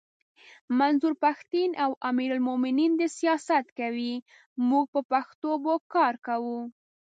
منظور پښتین او امیر المومنین دي سیاست کوي موږ به پښتو به کار کوو!